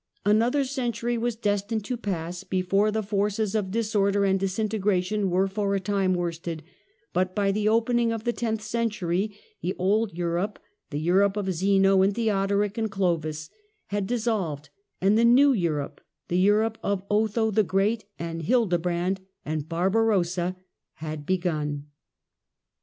Another century was destined to pass before the forces of disorder and disintegration were for a time worsted, but by the opening of the tenth century the old Europe — the Europe of Zeno and Theodoric and Clovis — had dissolved, and the new Europe — the Europe of Otho the Great and Hildebrand and Barbarossa — had begun.